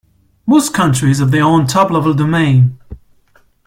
Most countries have their own Top Level Domain.